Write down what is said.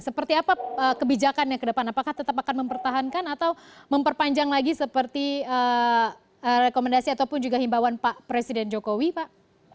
seperti apa kebijakannya ke depan apakah tetap akan mempertahankan atau memperpanjang lagi seperti rekomendasi ataupun juga himbawan pak presiden jokowi pak